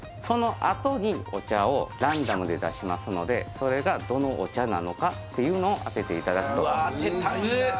そのあとにお茶をランダムで出しますのでそれがどのお茶なのかっていうのを当てていただくとむず！